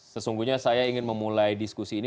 sesungguhnya saya ingin memulai diskusi ini